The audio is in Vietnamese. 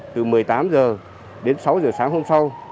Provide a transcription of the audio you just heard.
từ một mươi tám h đến sáu h sáng hôm sau